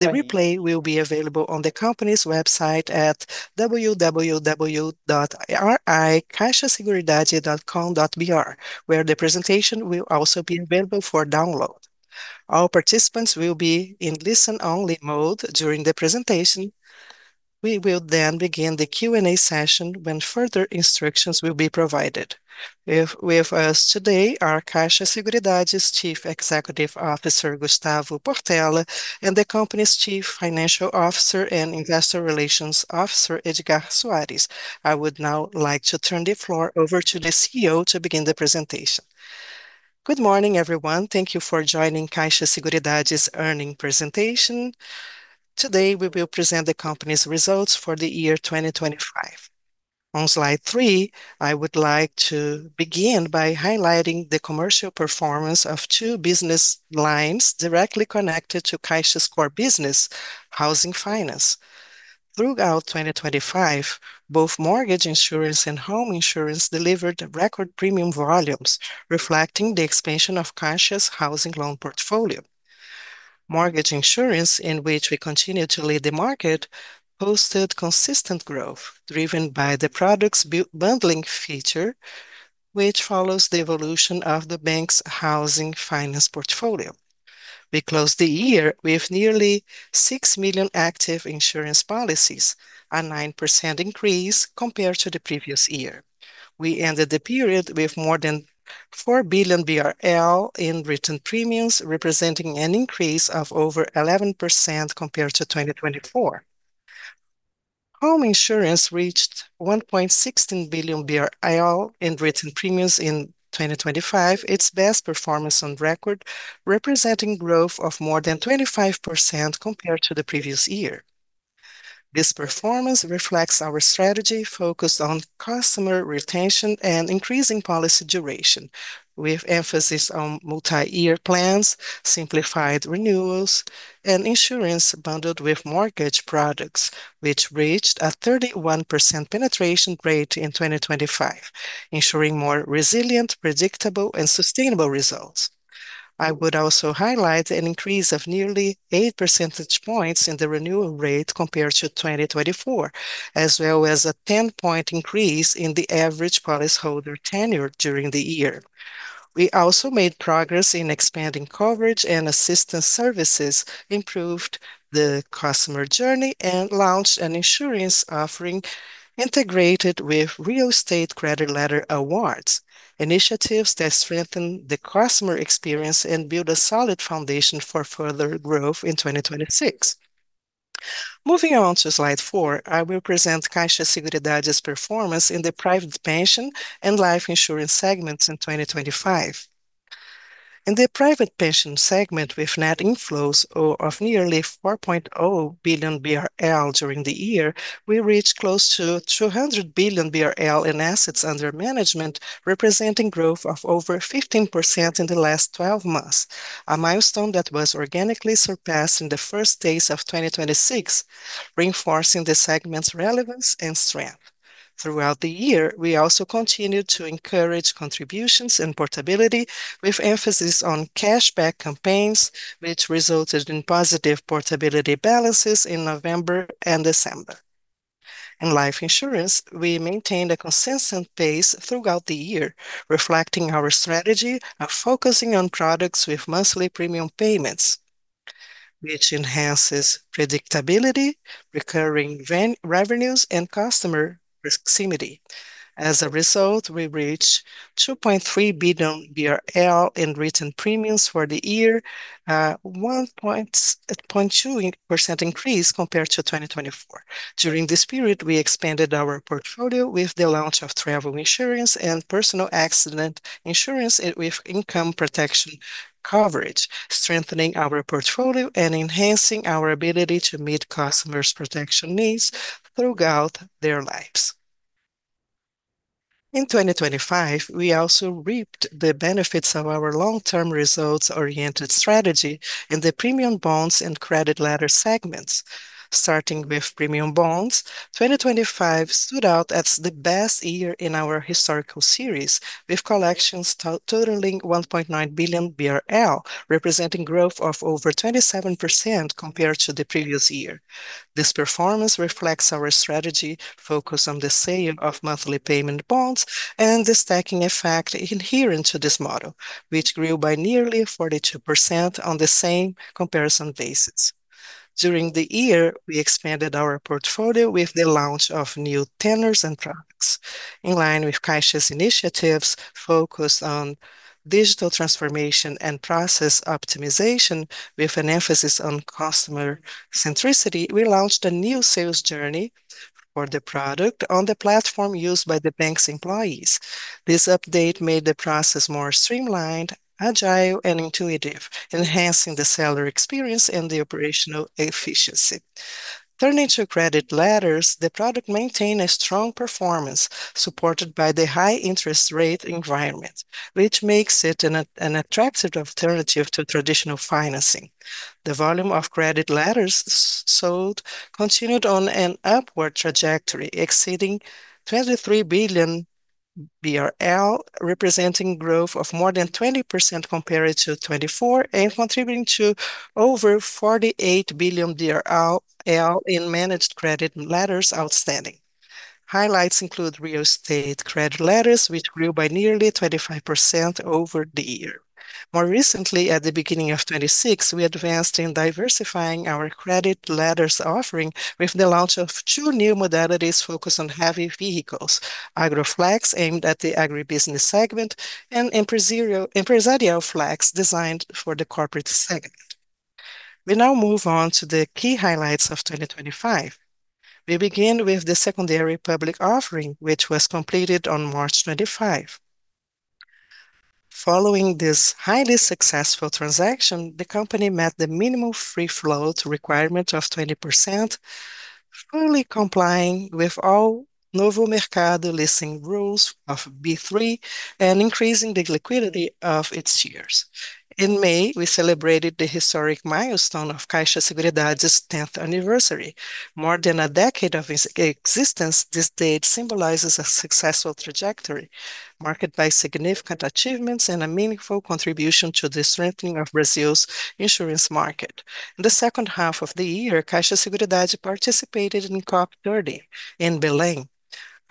The replay will be available on the company's website at www.caixaseguridade.com.br, where the presentation will also be available for download. All participants will be in listen-only mode during the presentation. We will begin the Q&A session when further instructions will be provided. We have with us today are Caixa Seguridade's Chief Executive Officer, Luiz Gustavo Silva Portela and the company's Chief Financial Officer and Investor Relations Officer, Edgar Soares. I would now like to turn the floor over to the CEO to begin the presentation. Good morning, everyone. Thank you for joining Caixa Seguridade's earnings presentation. Today, we will present the company's results for the year 2025. On Slide 3, I would like to begin by highlighting the commercial performance of 2 business lines directly connected to Caixa's core business, housing finance. Throughout 2025, both mortgage insurance and home insurance delivered record premium volumes, reflecting the expansion of Caixa's housing loan portfolio. Mortgage insurance, in which we continue to lead the market, posted consistent growth, driven by the product's bundling feature, which follows the evolution of the bank's housing finance portfolio. We closed the year with nearly 6 million active insurance policies, a 9% increase compared to the previous year. We ended the period with more than 4 billion BRL in written premiums, representing an increase of over 11% compared to 2024. Home insurance reached 1.16 billion in written premiums in 2025, its best performance on record, representing growth of more than 25% compared to the previous year. This performance reflects our strategy focused on customer retention and increasing policy duration, with emphasis on multi-year plans, simplified renewals, and insurance bundled with mortgage products, which reached a 31% penetration rate in 2025, ensuring more resilient, predictable, and sustainable results. I would also highlight an increase of nearly 8 percentage points in the renewal rate compared to 2024, as well as a 10-point increase in the average policyholder tenure during the year. We also made progress in expanding coverage and assistance services, improved the customer journey, and launched an insurance offering integrated with real estate credit letter awards, initiatives that strengthen the customer experience and build a solid foundation for further growth in 2026. Moving on to Slide 4, I will present Caixa Seguridade's performance in the private pension and life insurance segments in 2025. In the private pension segment, with net inflows of nearly 4.0 billion BRL during the year, we reached close to 200 billion BRL in assets under management, representing growth of over 15% in the last 12 months, a milestone that was organically surpassed in the first days of 2026, reinforcing the segment's relevance and strength. Throughout the year, we also continued to encourage contributions and portability with emphasis on cashback campaigns, which resulted in positive portability balances in November and December. In life insurance, we maintained a consistent pace throughout the year, reflecting our strategy of focusing on products with monthly premium payments, which enhances predictability, recurring revenues, and customer proximity. As a result, we reached 2.3 billion BRL in written premiums for the year, a 1.2% increase compared to 2024. During this period, we expanded our portfolio with the launch of travel insurance and personal accident insurance, with income protection coverage, strengthening our portfolio and enhancing our ability to meet customers' protection needs throughout their lives. In 2025, we also reaped the benefits of our long-term, results-oriented strategy in the premium bonds and credit letter segments. Starting with premium bonds, 2025 stood out as the best year in our historical series, with collections totaling 1.9 billion BRL, representing growth of over 27% compared to the previous year. This performance reflects our strategy focused on the sale of monthly payment bonds and the stacking effect inherent to this model, which grew by nearly 42% on the same comparison basis. During the year, we expanded our portfolio with the launch of new tenors and products. In line with Caixa's initiatives focused on digital transformation and process optimization, with an emphasis on customer centricity, we launched a new sales journey for the product on the platform used by the bank's employees. This update made the process more streamlined, agile, and intuitive, enhancing the seller experience and the operational efficiency. Turning to credit letters, the product maintained a strong performance, supported by the high interest rate environment, which makes it an attractive alternative to traditional financing. The volume of credit letters sold continued on an upward trajectory, exceeding 23 billion BRL, representing growth of more than 20% compared to 2024, and contributing to over 48 billion in managed credit letters outstanding. Highlights include real estate credit letters, which grew by nearly 25% over the year. More recently, at the beginning of 2026, we advanced in diversifying our credit letters offering with the launch of two new modalities focused on heavy vehicles: Agro Flex, aimed at the agribusiness segment, and Empresarial Flex, designed for the corporate segment. We now move on to the key highlights of 2025. We begin with the secondary public offering, which was completed on March 25. Following this highly successful transaction, the company met the minimum free float requirement of 20%, fully complying with all Novo Mercado listing rules of B3 and increasing the liquidity of its years. In May, we celebrated the historic milestone of Caixa Seguridade's 10th anniversary. More than a decade of existence, this date symbolizes a successful trajectory, marked by significant achievements and a meaningful contribution to the strengthening of Brazil's insurance market. In the second half of the year, Caixa Seguridade participated in COP30 in Belém.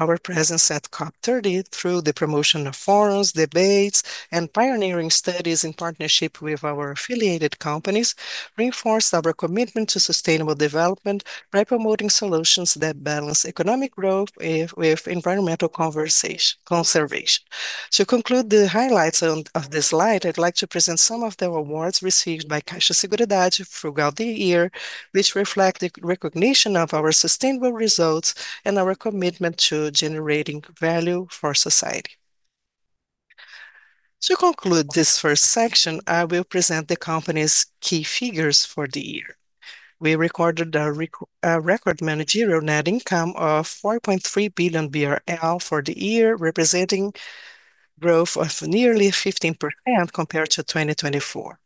Our presence at COP30, through the promotion of forums, debates, and pioneering studies in partnership with our affiliated companies, reinforced our commitment to sustainable development by promoting solutions that balance economic growth with environmental conservation. To conclude the highlights of this slide, I'd like to present some of the awards received by Caixa Seguridade throughout the year, which reflect the recognition of our sustainable results and our commitment to generating value for society. To conclude this 1st section, I will present the company's key figures for the year. We recorded a record managerial net income of 4.3 billion BRL for the year, representing growth of nearly 15% compared to 2024.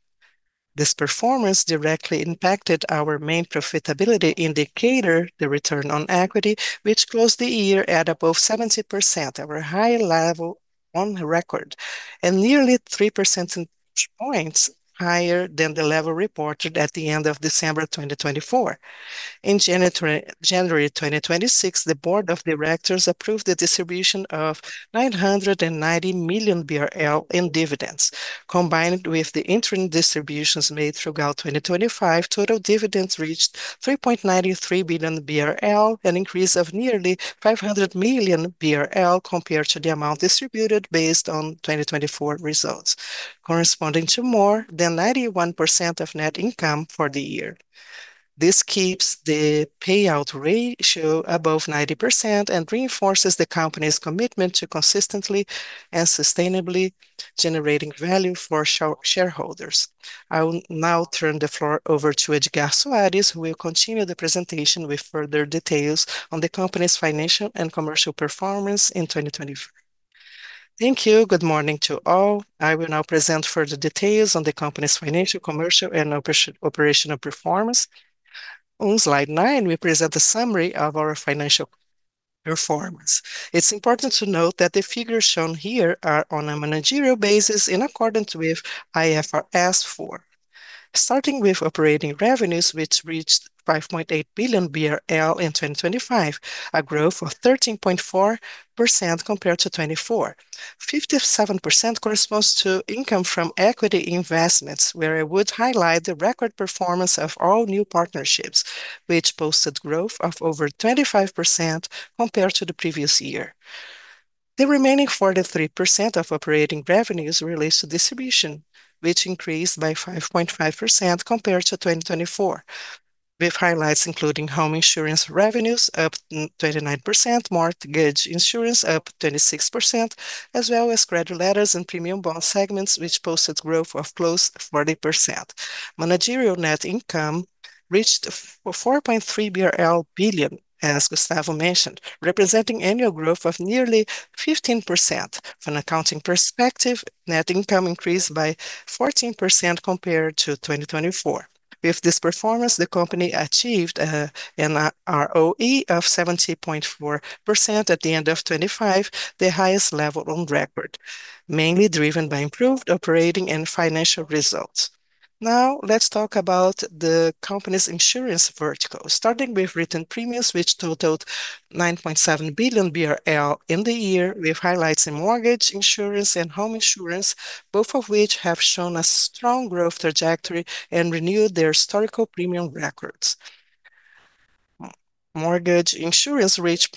This performance directly impacted our main profitability indicator, the return on equity, which closed the year at above 70%, our high level on record, and nearly 3 percent points higher than the level reported at the end of December 2024. In January 2026, the board of directors approved the distribution of 990 million BRL in dividends. Combined with the interim distributions made throughout 2025, total dividends reached 3.93 billion BRL, an increase of nearly 500 million BRL compared to the amount distributed based on 2024 results, corresponding to more than 91% of net income for the year. This keeps the payout ratio above 90% and reinforces the company's commitment to consistently and sustainably generating value for shareholders. I will now turn the floor over to Edgar Soares, who will continue the presentation with further details on the company's financial and commercial performance in 2025. Thank you. Good morning to all. I will now present further details on the company's financial, commercial, and operational performance. On Slide 9, we present the summary of our financial performance. It's important to note that the figures shown here are on a managerial basis in accordance with IFRS 4. Starting with operating revenues, which reached 5.8 billion BRL in 2025, a growth of 13.4% compared to 2024. 57% corresponds to income from equity investments, where I would highlight the record performance of all new partnerships, which posted growth of over 25% compared to the previous year. The remaining 43% of operating revenues relates to distribution, which increased by 5.5% compared to 2024, with highlights including home insurance revenues up 29%, mortgage insurance up 26%, as well as credit letters and premium bond segments, which posted growth of close to 40%. Managerial net income reached 4.3 billion BRL, as Gustavo mentioned, representing annual growth of nearly 15%. From an accounting perspective, net income increased by 14% compared to 2024. With this performance, the company achieved an ROE of 70.4% at the end of 2025, the highest level on record, mainly driven by improved operating and financial results. Now, let's talk about the company's insurance vertical, starting with written premiums, which totaled 9.7 billion BRL in the year, with highlights in mortgage insurance and home insurance, both of which have shown a strong growth trajectory and renewed their historical premium records. Mortgage insurance reached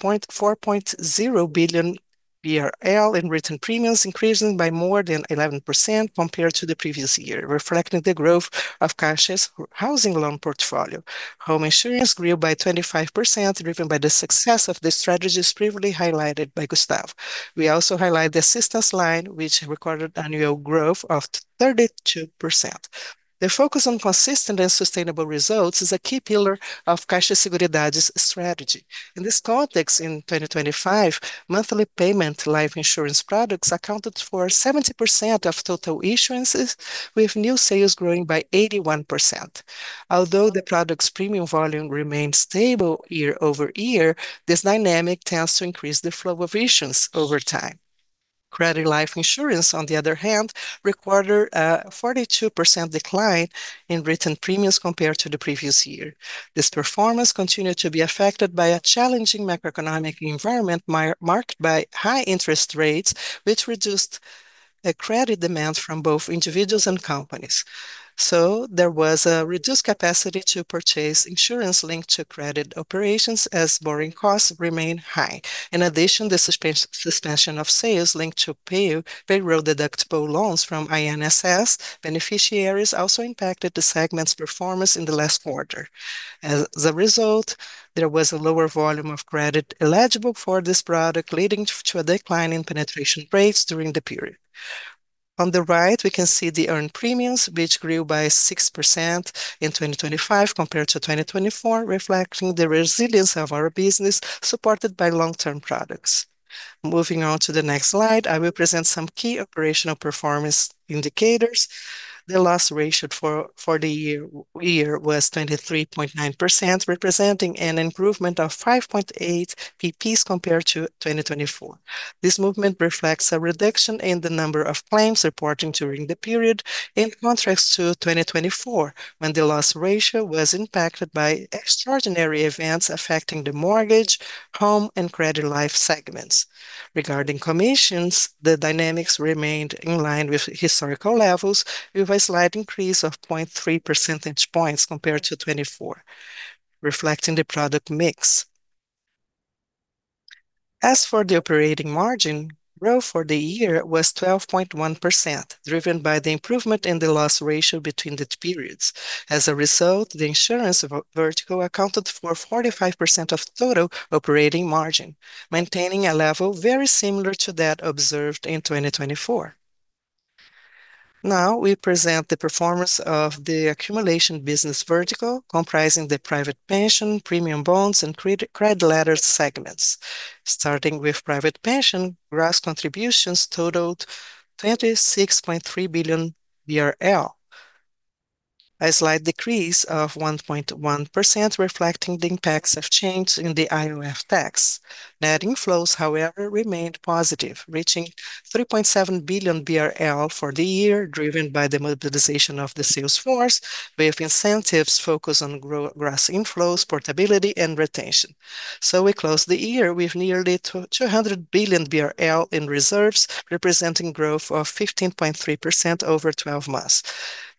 4.0 billion BRL in written premiums, increasing by more than 11% compared to the previous year, reflecting the growth of Caixa's housing loan portfolio. Home insurance grew by 25%, driven by the success of the strategies previously highlighted by Gustavo. We also highlight the assistance line, which recorded annual growth of 32%. The focus on consistent and sustainable results is a key pillar of Caixa Seguridade's strategy. In this context, in 2025, monthly payment life insurance products accounted for 70% of total issuances, with new sales growing by 81%. Although the product's premium volume remained stable year-over-year, this dynamic tends to increase the flow of issuance over time. Credit life insurance, on the other hand, recorded a 42% decline in written premiums compared to the previous year. This performance continued to be affected by a challenging macroeconomic environment marked by high interest rates, which reduced the credit demand from both individuals and companies. There was a reduced capacity to purchase insurance linked to credit operations as borrowing costs remained high. In addition, the suspension of sales linked to payroll deductible loans from INSS beneficiaries also impacted the segment's performance in the last quarter. There was a lower volume of credit eligible for this product, leading to a decline in penetration rates during the period. On the right, we can see the earned premiums, which grew by 6% in 2025 compared to 2024, reflecting the resilience of our business, supported by long-term products. Moving on to the next slide, I will present some key operational performance indicators. The loss ratio for the year was 23.9%, representing an improvement of 5.8 BPs compared to 2024. This movement reflects a reduction in the number of claims reporting during the period, in contrast to 2024, when the loss ratio was impacted by extraordinary events affecting the mortgage, home, and credit life segments. Regarding commissions, the dynamics remained in line with historical levels, with a slight increase of 0.3 percentage points compared to 2024, reflecting the product mix. As for the operating margin, growth for the year was 12.1%, driven by the improvement in the loss ratio between the periods. As a result, the insurance vertical accounted for 45% of total operating margin, maintaining a level very similar to that observed in 2024. We present the performance of the accumulation business vertical, comprising the private pension, premium bonds, and credit letter segments. Starting with private pension, gross contributions totaled 36.3 billion BRL, a slight decrease of 1.1%, reflecting the impacts of change in the IOF tax. Net inflows, however, remained positive, reaching 3.7 billion BRL for the year, driven by the mobilization of the sales force with incentives focused on gross inflows, portability, and retention. We closed the year with nearly 200 billion BRL in reserves, representing growth of 15.3% over 12 months.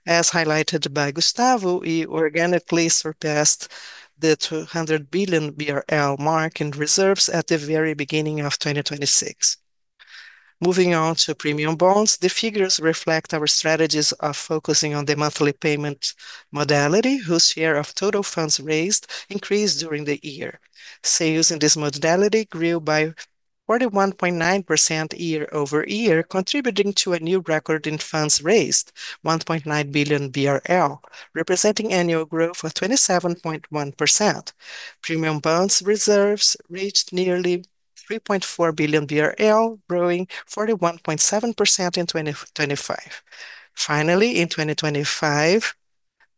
As highlighted by Gustavo, we organically surpassed the 200 billion BRL mark in reserves at the very beginning of 2026. Moving on to premium bonds, the figures reflect our strategies of focusing on the monthly payment modality, whose share of total funds raised increased during the year. Sales in this modality grew by 41.9% year-over-year, contributing to a new record in funds raised, 1.9 billioN BRL, representing annual growth of 27.1%. Premium bonds reserves reached nearly 3.4 billion BRL, growing 41.7% in 2025. In 2025,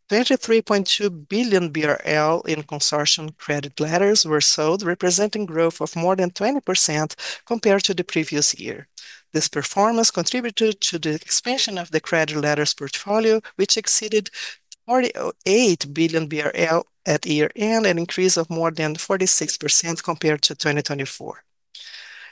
BRL 33.2 billion in consortium credit letters were sold, representing growth of more than 20% compared to the previous year. This performance contributed to the expansion of the credit letters portfolio, which exceeded 48 billion BRL at year-end, an increase of more than 46% compared to 2024.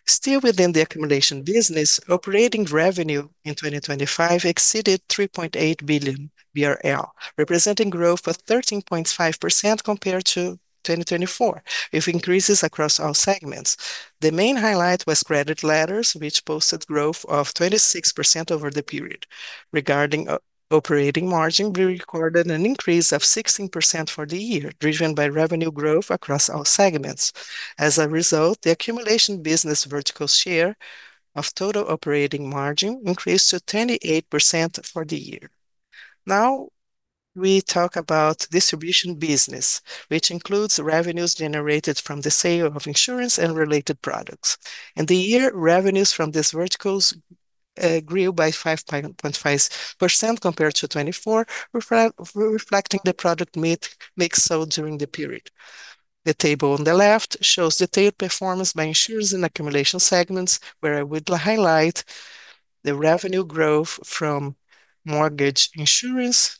Still within the accumulation business, operating revenue in 2025 exceeded 3.8 billion BRL, representing growth of 13.5% compared to 2024, with increases across all segments. The main highlight was credit letters, which posted growth of 26% over the period. Regarding operating margin, we recorded an increase of 16% for the year, driven by revenue growth across all segments. The accumulation business vertical share of total operating margin increased to 28% for the year. We talk about distribution business, which includes revenues generated from the sale of insurance and related products. In the year, revenues from these verticals grew by 5.5% compared to 2024, reflecting the product mix sold during the period. The table on the left shows detailed performance by insurers in accumulation segments, where I would highlight the revenue growth from mortgage insurance,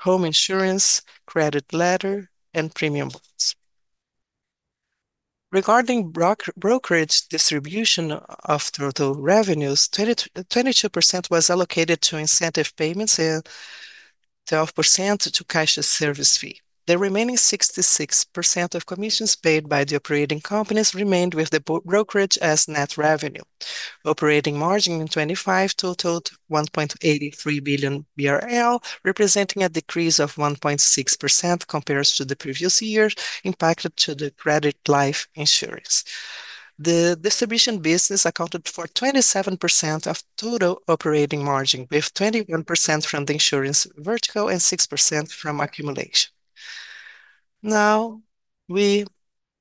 home insurance, credit letter, and premium bonds. Regarding brokerage distribution of total revenues, 22% was allocated to incentive payments and 12% to cash service fee. The remaining 66% of commissions paid by the operating companies remained with the brokerage as net revenue. Operating margin in 2025 totaled 1.83 billion BRL, representing a decrease of 1.6% compared to the previous year, impacted to the credit life insurance. The distribution business accounted for 27% of total operating margin, with 21% from the insurance vertical and 6% from accumulation. Now, we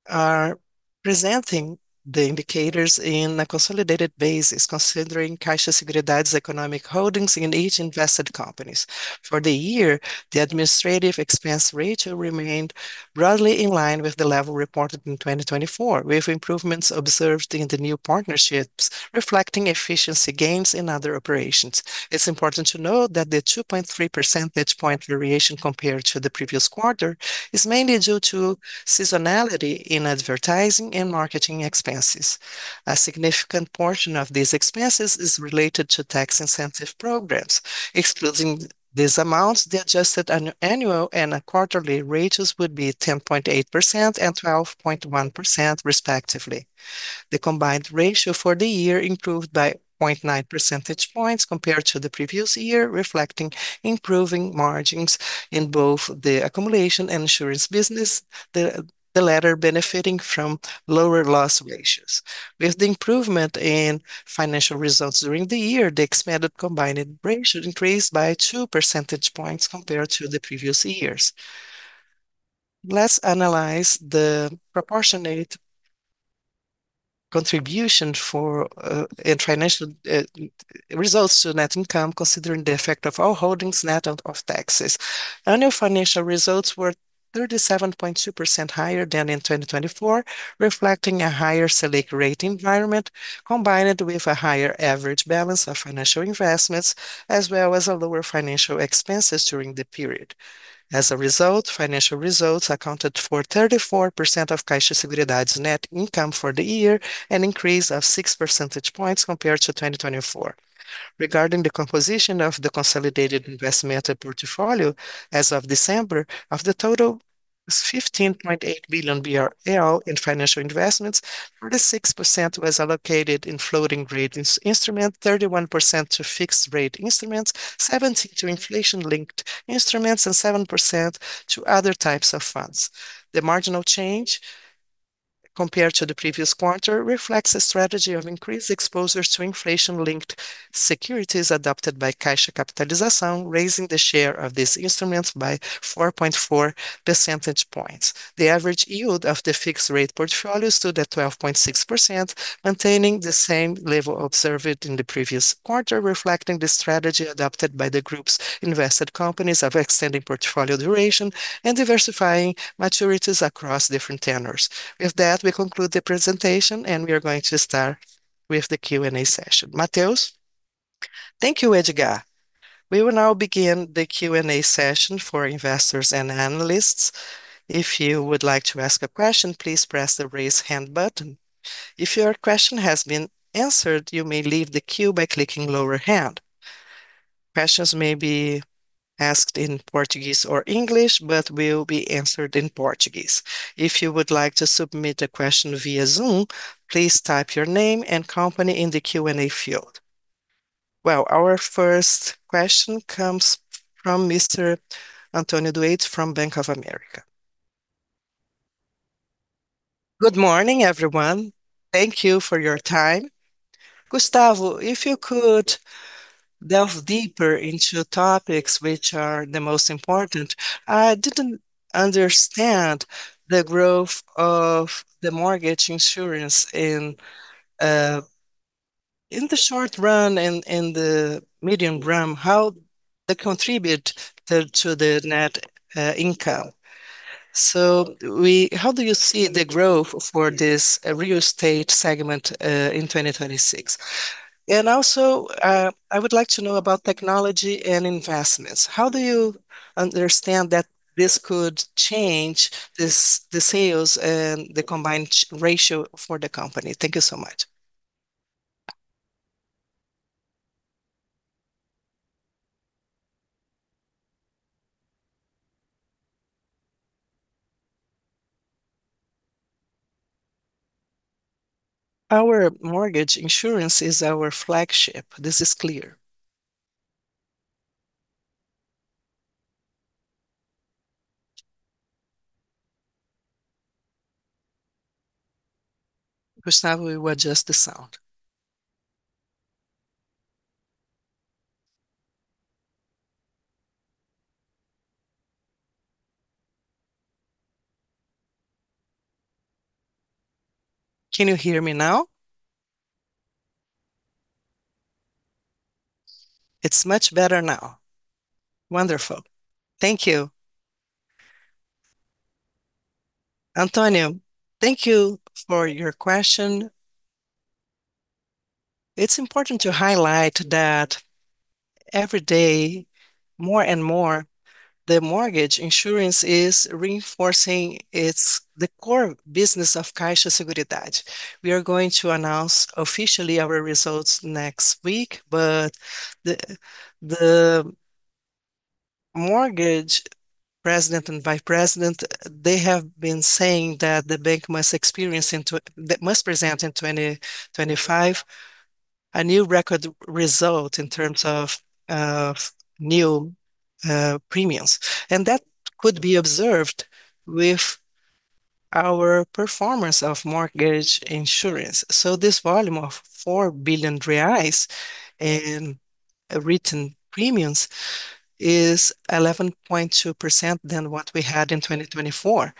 are presenting the indicators in a consolidated basis, considering Caixa Seguridade's economic holdings in each invested companies. For the year, the administrative expense ratio remained roughly in line with the level reported in 2024, with improvements observed in the new partnerships, reflecting efficiency gains in other operations. It's important to note that the 2.3 percentage point variation compared to the previous quarter, is mainly due to seasonality in advertising and marketing expenses. A significant portion of these expenses is related to tax incentive programs. Excluding these amounts, the adjusted annual and quarterly rates would be 10.8% and 12.1%, respectively. The combined ratio for the year improved by 0.9 percentage points compared to the previous year, reflecting improving margins in both the accumulation and insurance business, the latter benefiting from lower loss ratios. With the improvement in financial results during the year, the expanded combined ratio increased by 2 percentage points compared to the previous years. Let's analyze the proportionate contribution for international results to net income, considering the effect of all holdings net of taxes. Annual financial results were 37.2% higher than in 2024, reflecting a higher Selic rate environment, combined with a higher average balance of financial investments, as well as a lower financial expenses during the period. Financial results accounted for 34% of Caixa Seguridade's net income for the year, an increase of 6 percentage points compared to 2024. Regarding the composition of the consolidated investment portfolio, as of December, of the total, 15.8 billion BRL in financial investments, 36% was allocated in floating-rate instrument, 31% to fixed-rate instruments, 17% to inflation-linked instruments, and 7% to other types of funds. The marginal change compared to the previous quarter reflects a strategy of increased exposure to inflation-linked securities adopted by Caixa Capitalização, raising the share of these instruments by 4.4 percentage points. The average yield of the fixed-rate portfolio stood at 12.6%, maintaining the same level observed in the previous quarter, reflecting the strategy adopted by the group's invested companies of extending portfolio duration and diversifying maturities across different tenors. With that, we conclude the presentation, and we are going to start with the Q&A session. Mateus? Thank you, Edgar. We will now begin the Q&A session for investors and analysts. If you would like to ask a question, please press the Raise Hand button. If your question has been answered, you may leave the queue by clicking Lower Hand. Questions may be asked in Portuguese or English, but will be answered in Portuguese. If you would like to submit a question via Zoom, please type your name and company in the Q&A field. Well, our first question comes from Mr. Antonio Duarte from Bank of America. Good morning, everyone. Thank you for your time. Gustavo, if you could delve deeper into topics which are the most important, I didn't understand the growth of the mortgage insurance in the short run and the medium run, how they contribute to the net income? How do you see the growth for this real estate segment in 2026? I would like to know about technology and investments. How do you understand that this could change this, the sales and the combined ratio for the company? Thank you so much. Our mortgage insurance is our flagship. This is clear. Gustavo, we adjust the sound. Can you hear me now? It's much better now. Wonderful. Thank you. Antonio, thank you for your question. It's important to highlight that every day, more and more, the mortgage insurance is reinforcing its the core business of Caixa Seguridade. We are going to announce officially our results next week. The mortgage president and vice president, they have been saying that the bank must present in 2025, a new record result in terms of new premiums. That could be observed with our performance of mortgage insurance. This volume of 4 billion reais in written premiums is 11.2% than what we had in 2024.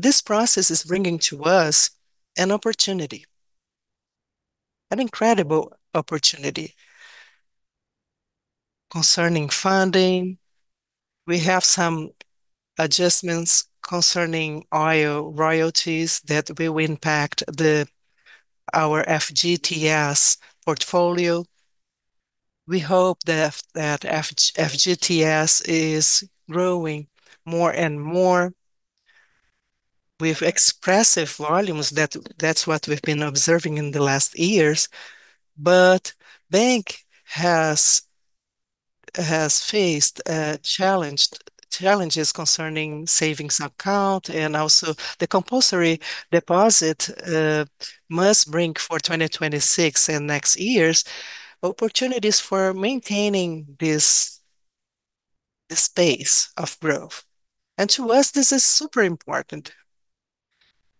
This process is bringing to us an opportunity, an incredible opportunity. Concerning funding, we have some adjustments concerning oil royalties that will impact our FGTS portfolio. We hope that FGTS is growing more and more with expressive volumes, that's what we've been observing in the last years. Caixa has faced challenges concerning savings account, and also the compulsory deposit must bring for 2026 and next years, opportunities for maintaining this, the space of growth. To us, this is super important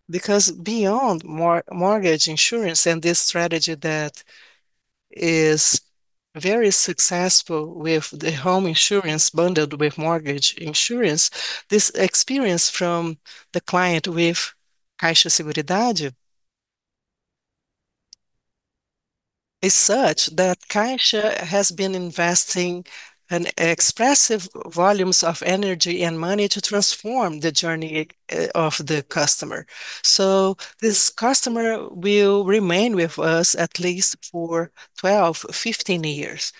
because beyond mortgage insurance and this strategy that is very successful with the home insurance bundled with mortgage insurance, this experience from the client with Caixa Seguridade is such that Caixa has been investing an expressive volumes of energy and money to transform the journey of the customer. This customer will remain with us at least for 12, 15 years.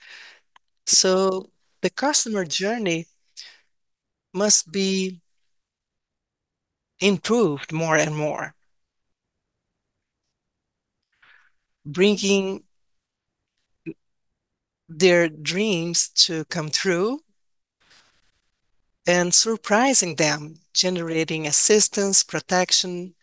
The customer journey must be improved more and more, bringing their dreams to come true and surprising them, generating assistance, protection,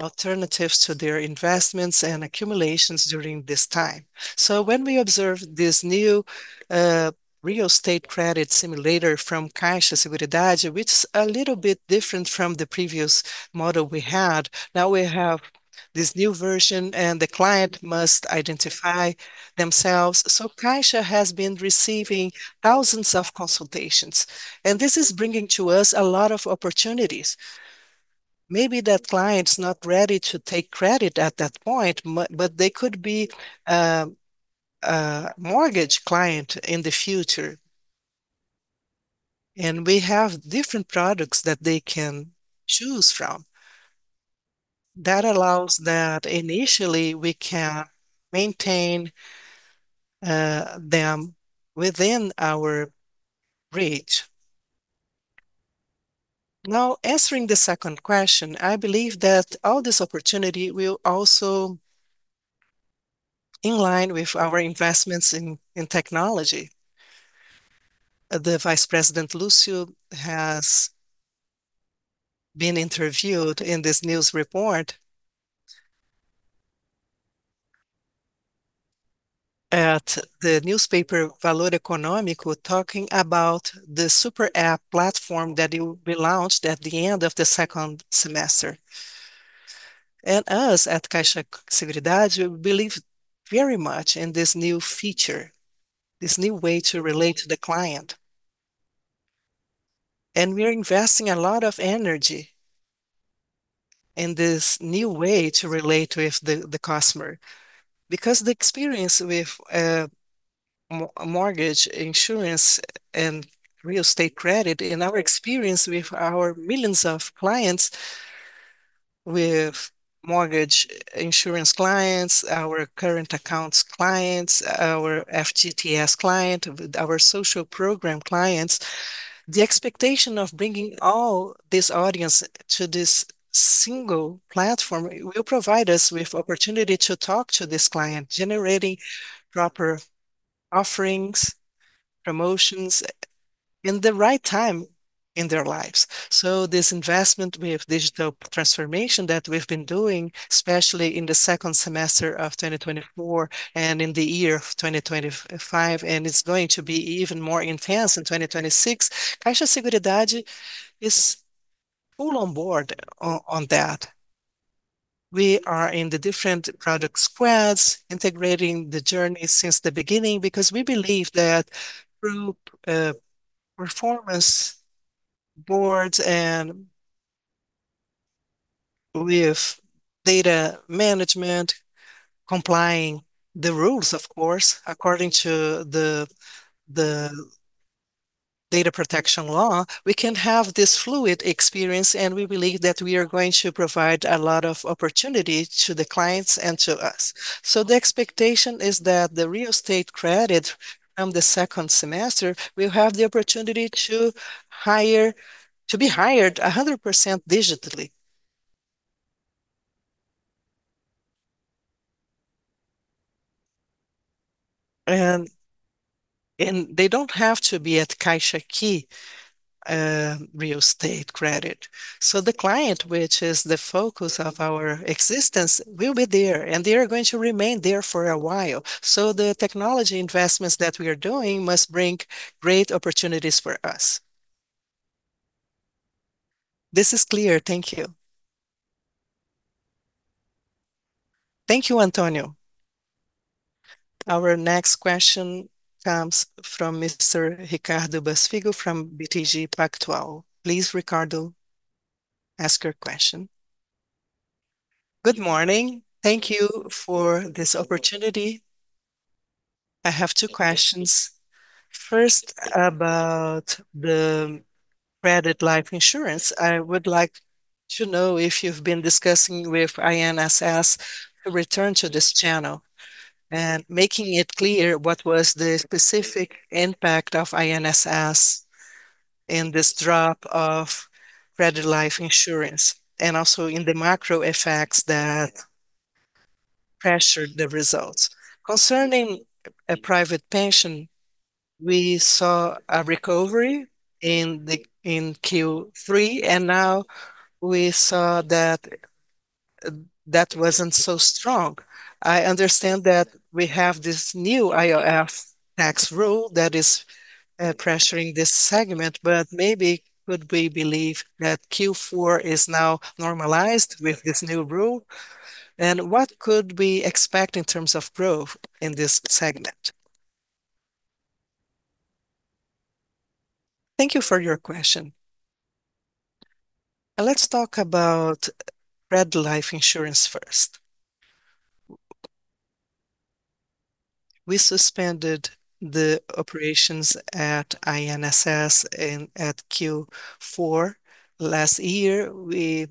alternatives to their investments and accumulations during this time. When we observe this new real estate credit simulator from Caixa Seguridade, which is a little bit different from the previous model we had, now we have this new version, and the client must identify themselves. Caixa has been receiving thousands of consultations, and this is bringing to us a lot of opportunities. Maybe that client's not ready to take credit at that point, but they could be a mortgage client in the future, and we have different products that they can choose from. That allows that initially we can maintain them within our reach. Now, answering the second question, I believe that all this opportunity will also in line with our investments in technology. The Vice President Lúcio has been interviewed in this news report at the newspaper Valor Econômico, talking about the super app platform that will be launched at the end of the second semester. Us at Caixa Seguridade, we believe very much in this new feature, this new way to relate to the client, and we are investing a lot of energy in this new way to relate with the customer. Because the experience with mortgage insurance and real estate credit, in our experience with our millions of clients, with mortgage insurance clients, our current accounts clients, our FGTS client, with our social program clients, the expectation of bringing all this audience to this single platform will provide us with opportunity to talk to this client, generating proper offerings, promotions, in the right time in their lives. This investment with digital transformation that we've been doing, especially in the second semester of 2024 and in the year of 2025, and it's going to be even more intense in 2026, Caixa Seguridade is full on board on that. We are in the different product squads, integrating the journey since the beginning, because we believe that through performance boards and with data management, complying the rules, of course, according to the data protection law, we can have this fluid experience, and we believe that we are going to provide a lot of opportunity to the clients and to us. The expectation is that the real estate credit from the second semester will have the opportunity to be hired 100% digitally. They don't have to be at Caixa Aqui real estate credit. The client, which is the focus of our existence, will be there, and they are going to remain there for a while. The technology investments that we are doing must bring great opportunities for us. This is clear. Thank you. Thank you, Antonio. Our next question comes from Mr. Ricardo Buchpiguel from BTG Pactual. Please, Ricardo, ask your question. Good morning. Thank you for this opportunity. I have two questions. First, about the credit life insurance. I would like to know if you've been discussing with INSS a return to this channel, and making it clear what was the specific impact of INSS in this drop of credit life insurance, and also in the macro effects that pressured the results. Concerning a private pension, we saw a recovery in Q3. Now we saw that wasn't so strong. I understand that we have this new IOF tax rule that is pressuring this segment, but maybe could we believe that Q4 is now normalized with this new rule? What could we expect in terms of growth in this segment? Thank you for your question. Let's talk about credit life insurance first. We suspended the operations at INSS at Q4 last year. We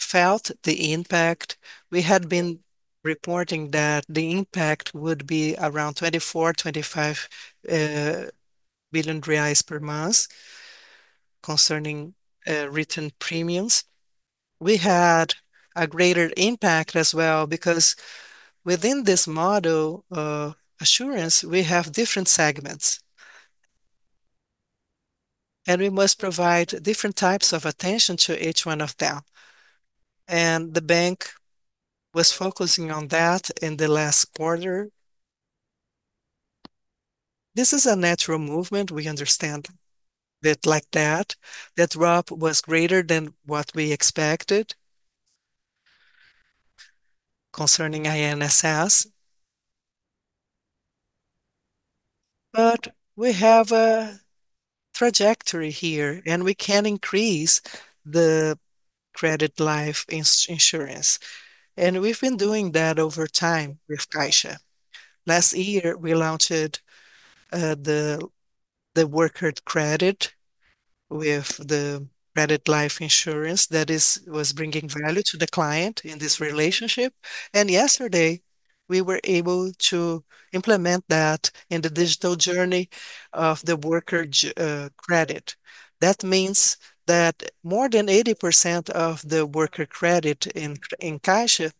felt the impact. We had been reporting that the impact would be around 24 billion-25 billion reais per month concerning written premiums. We had a greater impact as well, because within this model, assurance, we have different segments, and we must provide different types of attention to each one of them, and the bank was focusing on that in the last quarter. This is a natural movement. We understand it like that. That drop was greater than what we expected concerning INSS. We have a trajectory here, and we can increase the credit life insurance, and we've been doing that over time with Caixa. Last year, we launched the worker credit with the credit life insurance. That was bringing value to the client in this relationship, and yesterday, we were able to implement that in the digital journey of the worker credit. That means that more than 80% of the worker credit in Caixa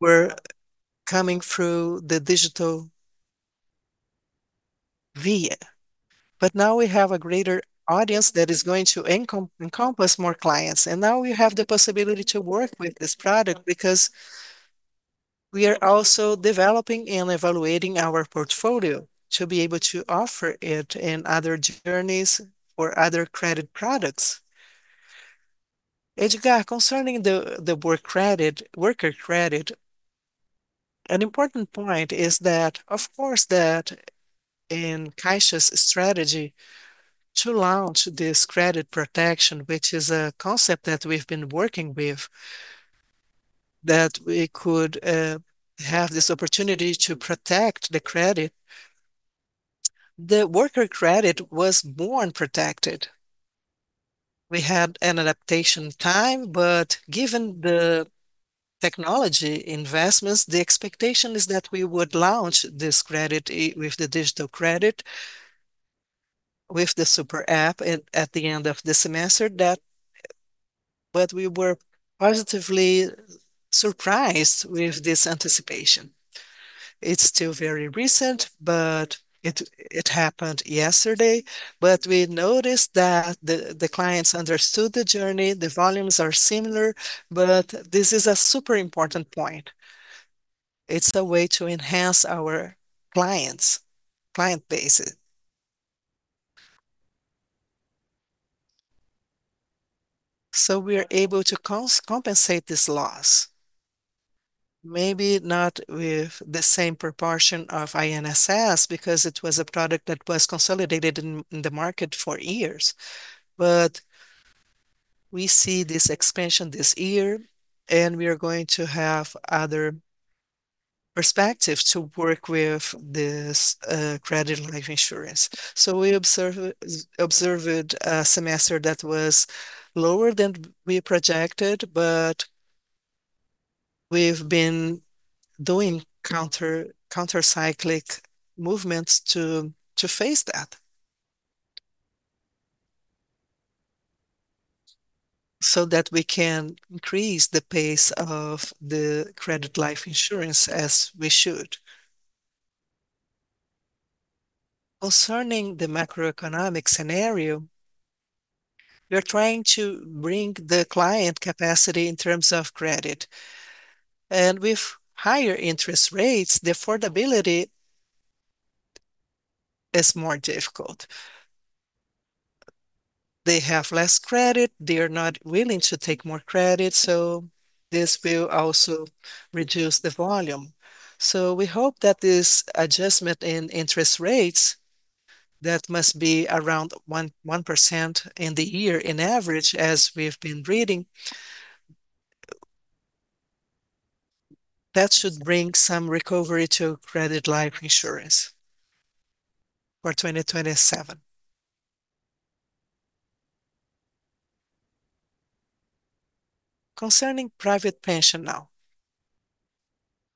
were coming through the digital via. Now we have a greater audience that is going to encompass more clients, and now we have the possibility to work with this product, because we are also developing and evaluating our portfolio to be able to offer it in other journeys for other credit products. Edgar, concerning the work credit, worker credit, an important point is that, of course, that in Caixa's strategy to launch this credit protection, which is a concept that we've been working with, that we could have this opportunity to protect the credit. The worker credit was born protected. We had an adaptation time, given the technology investments, the expectation is that we would launch this credit with the digital credit, with the super app, at the end of the semester. We were positively surprised with this anticipation. It's still very recent, it happened yesterday. We noticed that the clients understood the journey. The volumes are similar, this is a super important point. It's a way to enhance our clients, client base. We are able to compensate this loss, maybe not with the same proportion of INSS, because it was a product that was consolidated in the market for years. We see this expansion this year, and we are going to have other perspective to work with this credit life insurance. We observed a semester that was lower than we projected, but we've been doing countercyclical movements to face that so that we can increase the pace of the credit life insurance as we should. Concerning the macroeconomic scenario, we are trying to bring the client capacity in terms of credit, and with higher interest rates, the affordability. It's more difficult. They have less credit, they are not willing to take more credit, so this will also reduce the volume. We hope that this adjustment in interest rates, that must be around 1% in the year in average, as we've been reading, that should bring some recovery to credit life insurance for 2027. Concerning private pension now,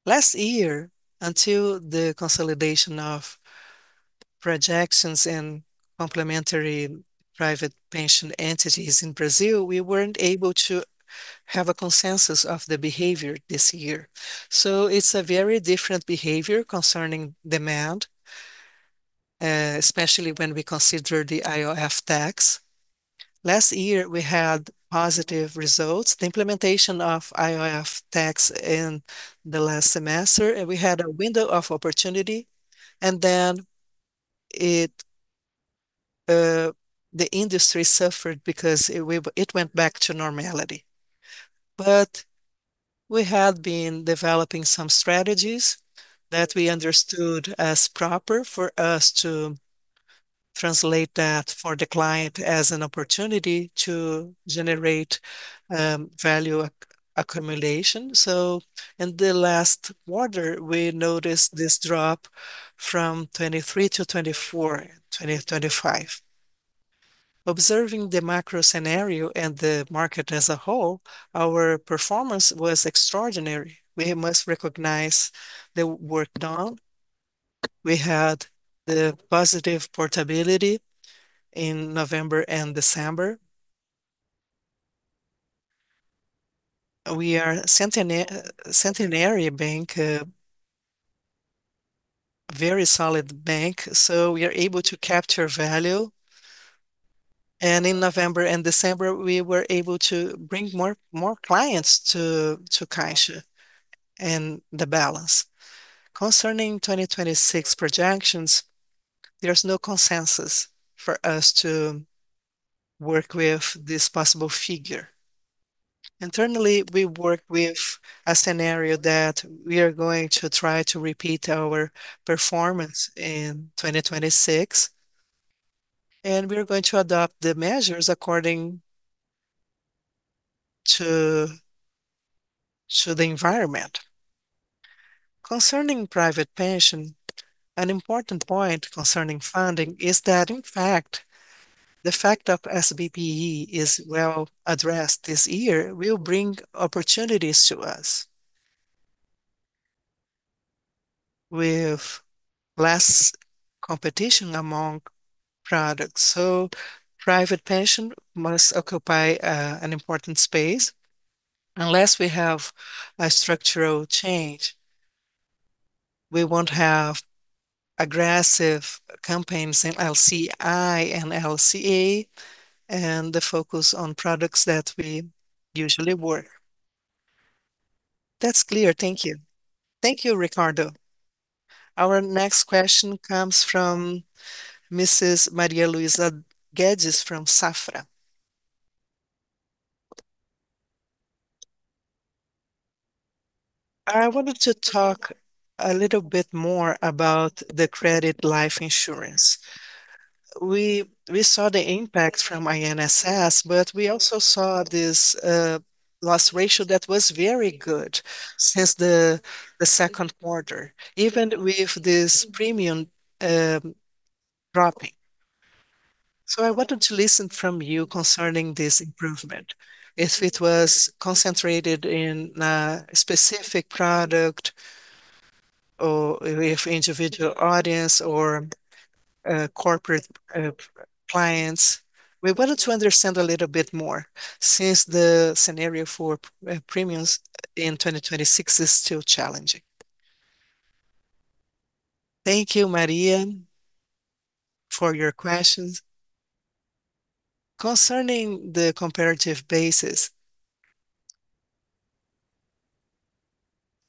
last year, until the consolidation of projections in complementary private pension entities in Brazil, we weren't able to have a consensus of the behavior this year. It's a very different behavior concerning demand, especially when we consider the IOF tax. Last year we had positive results. The implementation of IOF tax in the last semester, and we had a window of opportunity, and then it, the industry suffered because it went back to normality. We had been developing some strategies that we understood as proper for us to translate that for the client as an opportunity to generate, value accumulation. In the last quarter, we noticed this drop from 2023-2024 and 2025. Observing the macro scenario and the market as a whole, our performance was extraordinary. We must recognize the work done. We had the positive portability in November and December. We are centenary bank, a very solid bank, so we are able to capture value, and in November and December, we were able to bring more clients to Caixa, and the balance. Concerning 2026 projections, there's no consensus for us to work with this possible figure. Internally, we work with a scenario that we are going to try to repeat our performance in 2026, and we are going to adopt the measures according to the environment. Concerning private pension, an important point concerning funding is that, in fact, the fact of SBPE is well addressed this year will bring opportunities to us with less competition among products. Private pension must occupy an important space. Unless we have a structural change, we won't have aggressive campaigns in LCI and LCA, and the focus on products that we usually work. That's clear. Thank you. Thank you, Ricardo. Our next question comes from Ms. Maria Luisa Guedes from Safra. I wanted to talk a little bit more about the credit life insurance. We saw the impact from INSS, we also saw this loss ratio that was very good since the second quarter, even with this premium dropping. I wanted to listen from you concerning this improvement, if it was concentrated in a specific product or if individual audience or corporate clients. We wanted to understand a little bit more since the scenario for premiums in 2026 is still challenging. Thank you, Maria, for your questions. Concerning the comparative basis,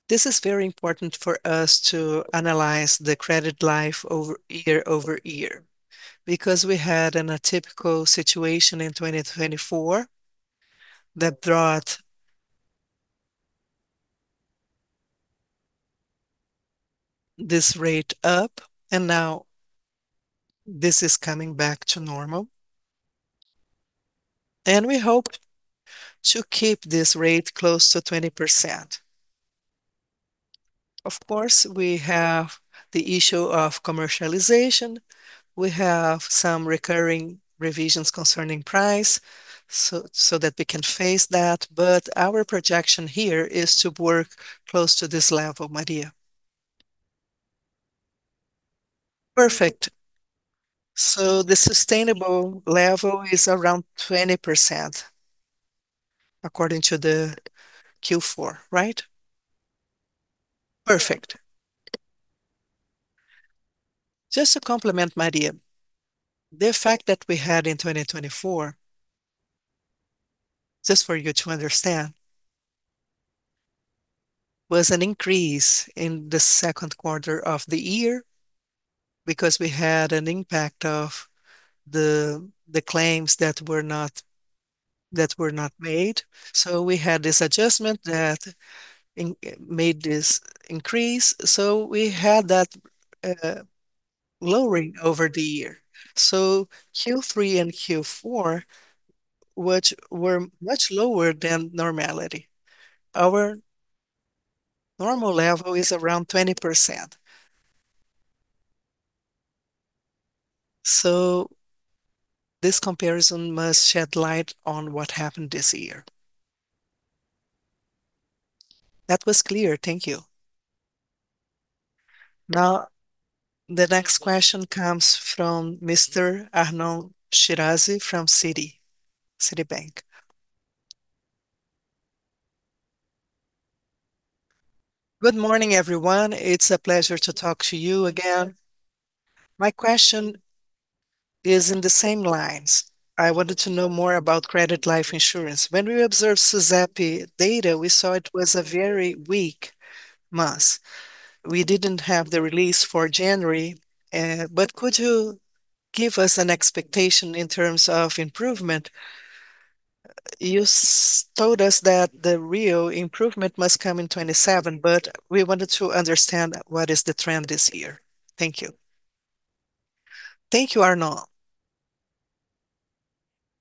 this is very important for us to analyze the credit life over, year-over-year, because we had an atypical situation in 2024 that brought this rate up, and now this is coming back to normal, and we hope to keep this rate close to 20%. Of course, we have the issue of commercialization. We have some recurring revisions concerning price, so that we can face that, but our projection here is to work close to this level, Maria. Perfect. The sustainable level is around 20%, according to the Q4, right? Perfect. Just to complement, Maria, the fact that we had in 2024, just for you to understand. Was an increase in the second quarter of the year, because we had an impact of the claims that were not, that were not made. We had this adjustment that made this increase. We had that lowering over the year. Q3 and Q4, which were much lower than normality. Our normal level is around 20%. This comparison must shed light on what happened this year. That was clear. Thank you. Now, the next question comes from Mr. Arnon Shirazi from Citi, Citibank. Good morning, everyone. It's a pleasure to talk to you again. My question is in the same lines. I wanted to know more about credit life insurance. When we observed SUSEP data, we saw it was a very weak month. We didn't have the release for January, but could you give us an expectation in terms of improvement? You told us that the real improvement must come in 2027, but we wanted to understand what is the trend this year. Thank you. Thank you, Arnon.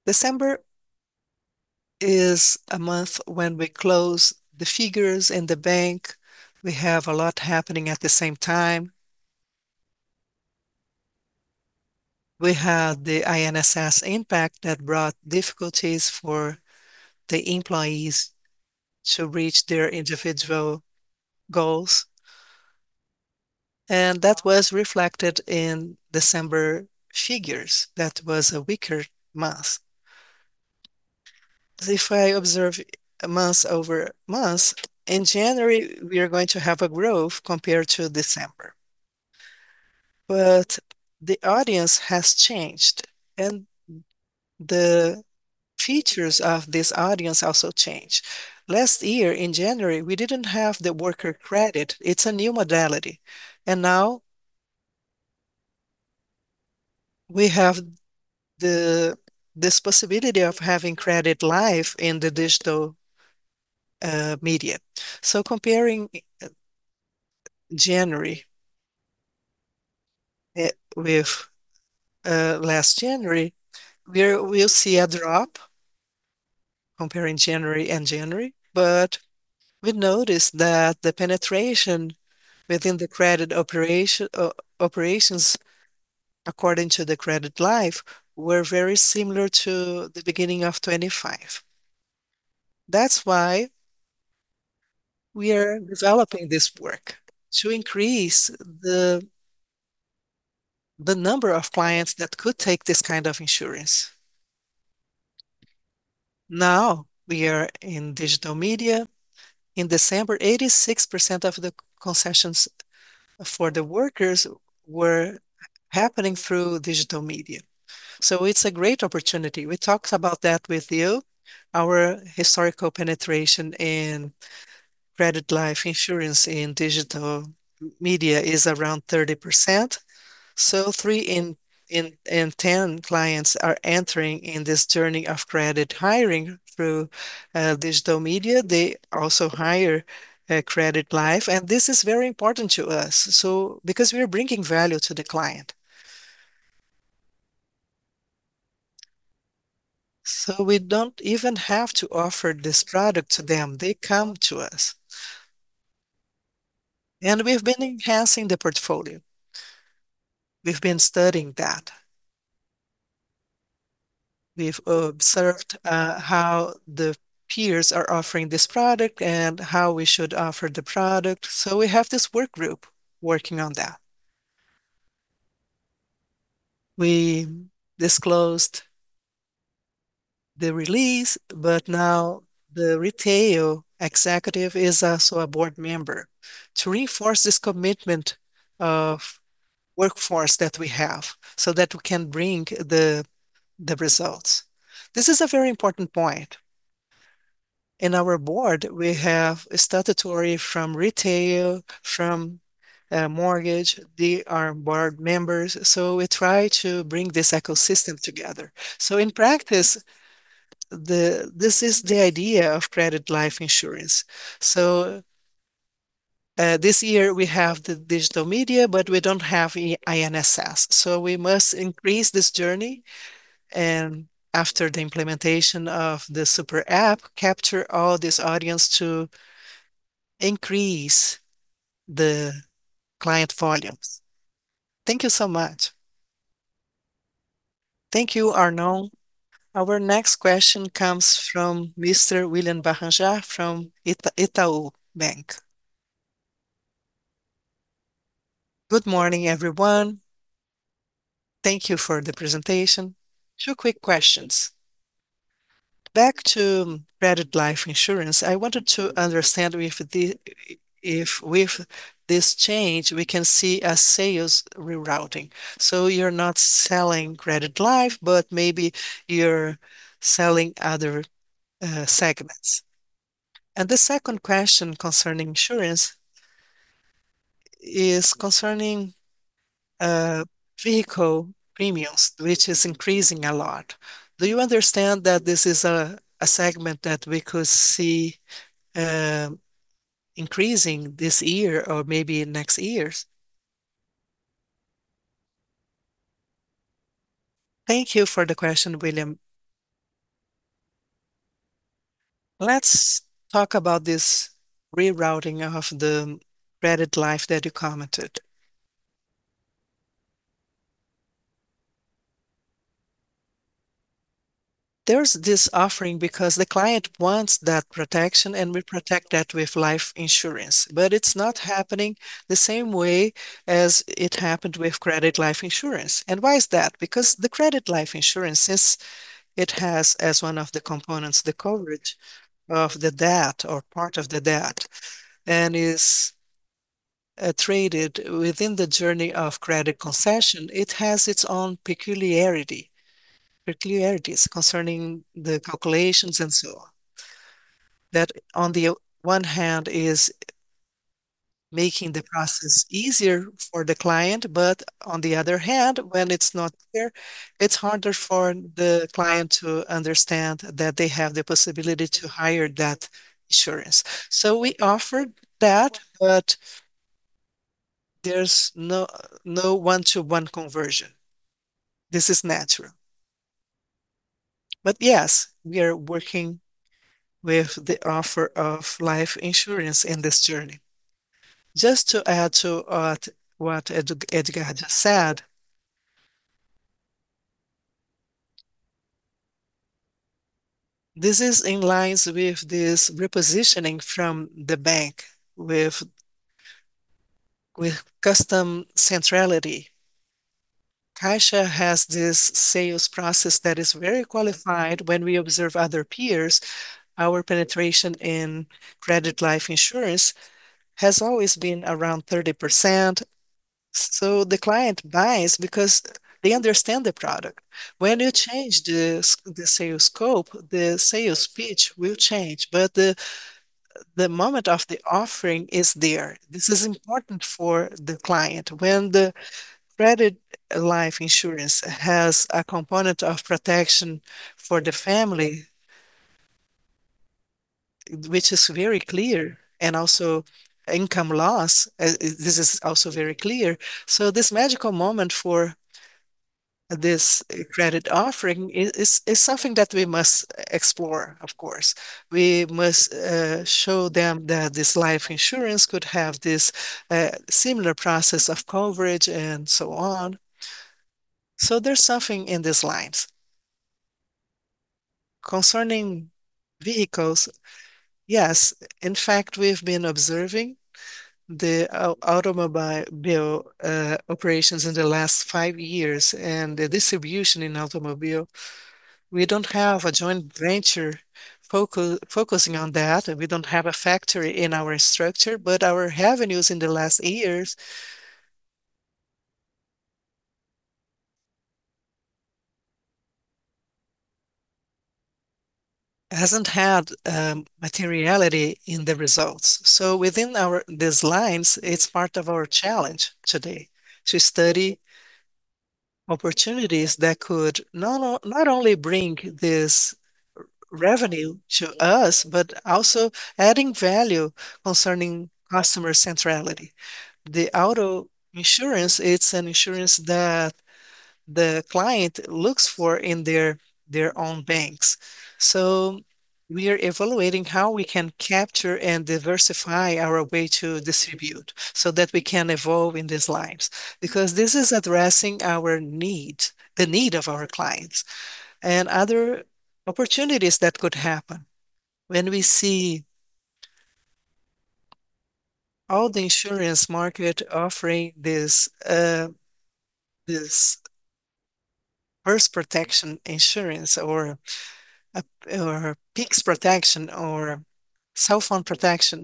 December is a month when we close the figures in the bank. We have a lot happening at the same time. We had the INSS impact that brought difficulties for the employees to reach their individual goals, and that was reflected in December figures. That was a weaker month. If I observe a month-over-month, in January, we are going to have a growth compared to December. The audience has changed, and the features of this audience also changed. Last year, in January, we didn't have the Worker's Credit. It's a new modality, and now we have this possibility of having credit life in the digital media. Comparing January with last January, we'll see a drop comparing January and January, but we notice that the penetration within the credit operation, or operations, according to the credit life, were very similar to the beginning of 2025. That's why we are developing this work, to increase the number of clients that could take this kind of insurance. Now, we are in digital media. In December, 86% of the concessions for the workers were happening through digital media. It's a great opportunity. We talked about that with you. Our historical penetration in credit life insurance in digital media is around 30%. 3 in 10 clients are entering in this journey of credit hiring through digital media. They also hire credit life, and this is very important to us. Because we are bringing value to the client. We don't even have to offer this product to them, they come to us. We've been enhancing the portfolio. We've been studying that. We've observed how the peers are offering this product and how we should offer the product. We have this work group working on that. We disclosed the release. Now the retail executive is also a board member, to reinforce this commitment of workforce that we have, so that we can bring the results. This is a very important point. In our board, we have a statutory from retail, from mortgage. They are board members, so we try to bring this ecosystem together. In practice, this is the idea of credit life insurance. This year we have the digital media, but we don't have INSS, so we must increase this journey, and after the implementation of the super app, capture all this audience to increase the client volumes. Thank you so much. Thank you, Arnon. Our next question comes from Mr. William Barrancos from Itaú Unibanco. Good morning, everyone. Thank you for the presentation. Two quick questions. Back to credit life insurance, I wanted to understand if with this change, we can see a sales rerouting. You're not selling credit life, but maybe you're selling other segments. The second question concerning is concerning vehicle premiums, which is increasing a lot. Do you understand that this is a segment that we could see increasing this year or maybe in next years? Thank you for the question, William. Let's talk about this rerouting of the credit life that you commented. There's this offering because the client wants that protection, and we protect that with life insurance, but it's not happening the same way as it happened with credit life insurance. Why is that? Because the credit life insurance is... It has, as one of the components, the coverage of the debt or part of the debt, and is traded within the journey of credit concession. It has its own peculiarity, peculiarities concerning the calculations and so on. On the one hand, is making the process easier for the client, but on the other hand, when it's not there, it's harder for the client to understand that they have the possibility to hire that insurance. We offered that, but there's no one-to-one conversion. This is natural. Yes, we are working with the offer of life insurance in this journey. Just to add to what Edgar had said, this is in lines with this repositioning from the bank with customer centrality. Caixa has this sales process that is very qualified when we observe other peers. Our penetration in credit life insurance has always been around 30%. The client buys because they understand the product. When you change the sales scope, the sales pitch will change, but the moment of the offering is there. This is important for the client. When the credit life insurance has a component of protection for the family, which is very clear, and also income loss, this is also very clear. This magical moment for this credit offering is something that we must explore, of course. We must show them that this life insurance could have this similar process of coverage and so on. There's something in these lines. Concerning vehicles, yes, in fact, we've been observing the automobile operations in the last five years and the distribution in automobile. We don't have a joint venture focusing on that, and we don't have a factory in our structure, but our revenues in the last years hasn't had materiality in the results. Within these lines, it's part of our challenge today to study opportunities that could not only bring this revenue to us, but also adding value concerning customer centrality. The auto insurance, it's an insurance that the client looks for in their own banks. We are evaluating how we can capture and diversify our way to distribute, so that we can evolve in these lines. This is addressing our needs, the need of our clients, and other opportunities that could happen when we see all the insurance market offering this purse protection insurance or Pix protection or cell phone protection.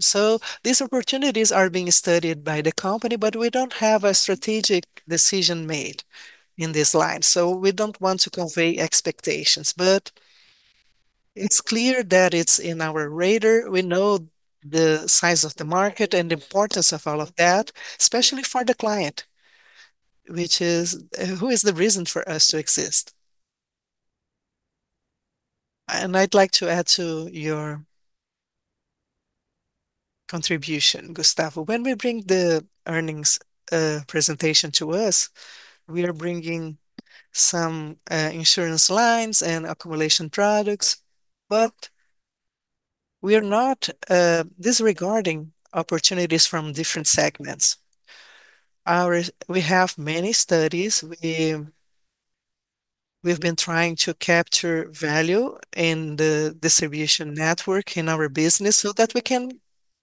These opportunities are being studied by the company, but we don't have a strategic decision made in this line, so we don't want to convey expectations. It's clear that it's in our radar. We know the size of the market and the importance of all of that, especially for the client, which is who is the reason for us to exist. I'd like to add to your contribution, Gustavo. When we bring the earnings presentation to us, we are bringing some insurance lines and accumulation products, but we are not disregarding opportunities from different segments. We have many studies. We've been trying to capture value in the distribution network in our business so that we can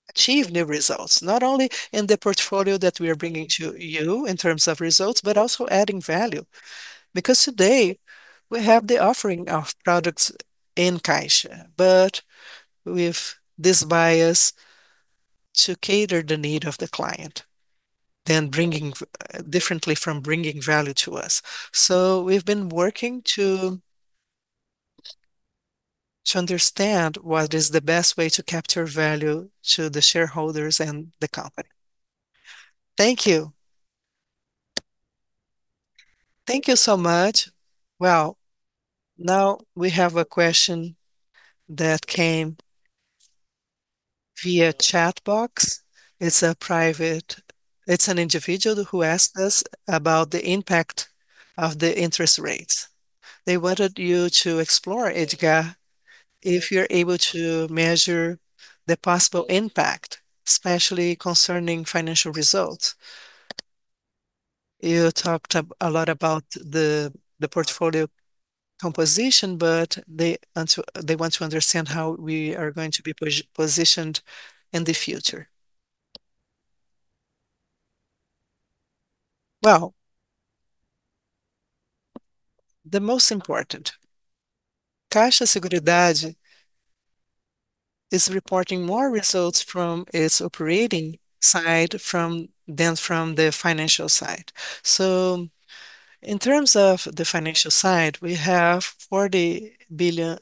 achieve new results, not only in the portfolio that we are bringing to you in terms of results, but also adding value. Today, we have the offering of products in Caixa, but with this bias to cater the need of the client, then bringing differently from bringing value to us. We've been working to understand what is the best way to capture value to the shareholders and the company. Thank you. Thank you so much. Now we have a question that came via chat box. It's a private individual who asked us about the impact of the interest rates. They wanted you to explore, Edgar, if you're able to measure the possible impact, especially concerning financial results. You talked a lot about the portfolio composition, but they want to understand how we are going to be positioned in the future. The most important, Caixa Seguridade is reporting more results from its operating side than from the financial side. In terms of the financial side, we have 40 billion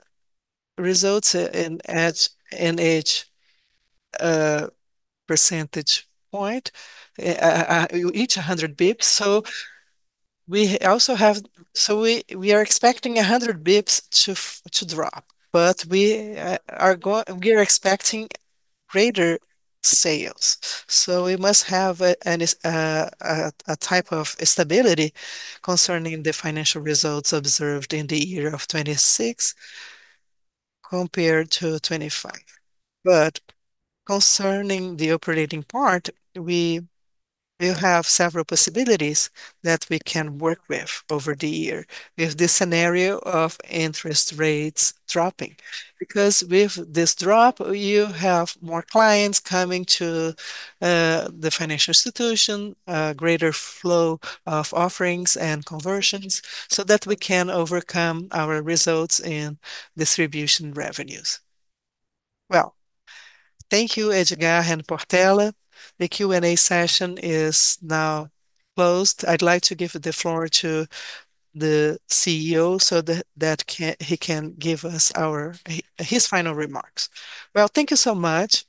results in each percentage point, each 100 basis points. We are expecting 100 basis points to drop, but we are expecting greater sales. We must have a type of stability concerning the financial results observed in the year 2026 compared to 2025. Concerning the operating part, we will have several possibilities that we can work with over the year with this scenario of interest rates dropping. With this drop, you have more clients coming to the financial institution, a greater flow of offerings and conversions, so that we can overcome our results in distribution revenues. Thank you, Gustavo Portela. The Q&A session is now closed. I'd like to give the floor to the CEO so that he can give us his final remarks. Thank you so much.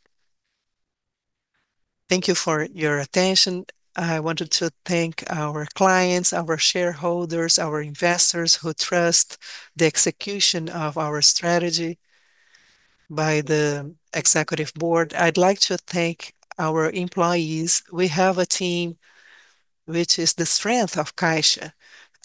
Thank you for your attention. I wanted to thank our clients, our shareholders, our investors, who trust the execution of our strategy by the executive board. I'd like to thank our employees. We have a team which is the strength of Caixa,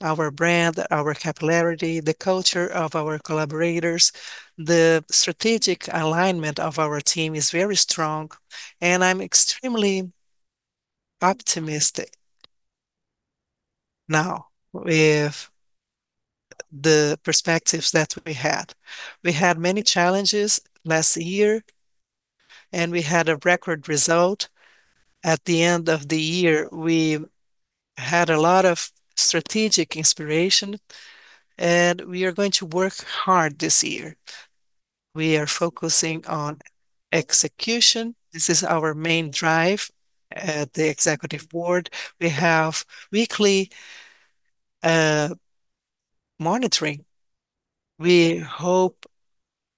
our brand, our capillarity, the culture of our collaborators. The strategic alignment of our team is very strong, and I'm extremely optimistic now with the perspectives that we had. We had many challenges last year, and we had a record result. At the end of the year, we had a lot of strategic inspiration, and we are going to work hard this year. We are focusing on execution. This is our main drive at the executive board. We have weekly monitoring. We hope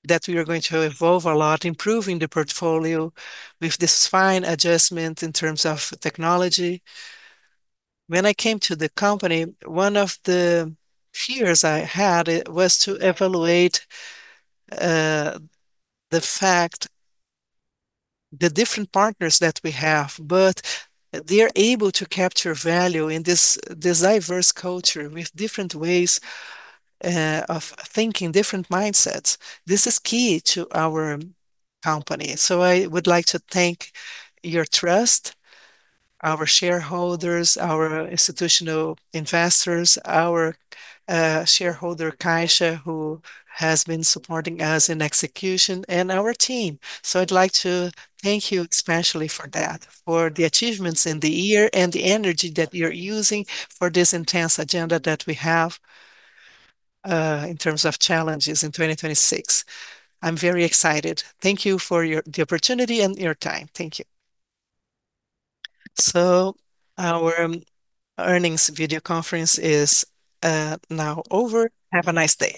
that we are going to evolve a lot, improving the portfolio with this fine adjustment in terms of technology. When I came to the company, one of the fears I had, it was to evaluate the fact, the different partners that we have, but they're able to capture value in this diverse culture with different ways of thinking, different mindsets. This is key to our company. I would like to thank your trust, our shareholders, our institutional investors, our shareholder, Caixa, who has been supporting us in execution, and our team. I'd like to thank you especially for that, for the achievements in the year, and the energy that you're using for this intense agenda that we have in terms of challenges in 2026. I'm very excited. Thank you for the opportunity and your time. Thank you. Our earnings video conference is now over. Have a nice day!